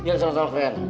jangan salam salam fren